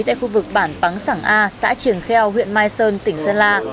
tại khu vực bản pắng sẳng a xã trường kheo huyện mai sơn tỉnh sơn la